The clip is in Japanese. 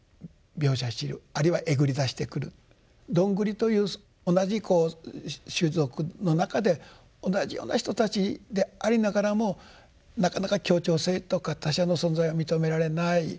どんぐりという同じ種族の中で同じような人たちでありながらもなかなか協調性とか他者の存在を認められない。